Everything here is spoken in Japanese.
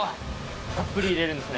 たっぷり入れるんですね。